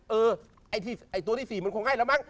เออไอ้ตัวที่๔มันคงให้แล้วมั้ง